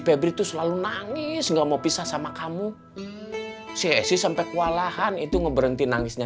febri itu selalu nangis enggak mau pisah sama kamu si sampai kewalahan itu ngeberhenti nangisnya